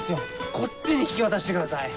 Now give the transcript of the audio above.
こっちに引き渡してください。